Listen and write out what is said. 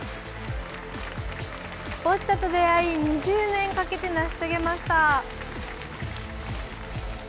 ボッチャと出会い、２０年かけて成し遂げました。